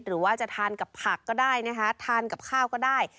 หรือว่าจะทานกับผักก็ได้นะคะทานกับข้าวก็ได้